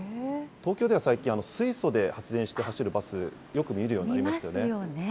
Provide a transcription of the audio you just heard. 東京では最近、水素で発電して走るバス、よく見るようになりましたよね。